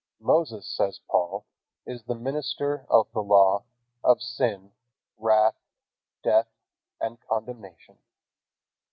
"Moses," says Paul, "is the minister of the Law, of sin, wrath, death, and condemnation."